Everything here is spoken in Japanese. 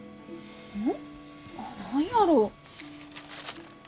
何やろう？